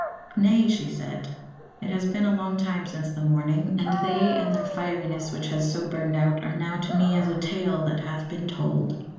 "Nay," she said, "it has been a long time since the morning, and they, and their fieriness which has so burned out, are now to me as a tale that hath been told.